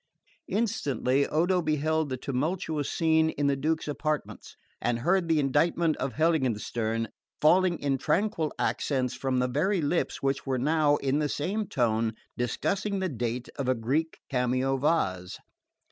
Instantly Odo beheld the tumultuous scene in the Duke's apartments, and heard the indictment of Heiligenstern falling in tranquil accents from the very lips which were now, in the same tone, discussing the date of a Greek cameo vase.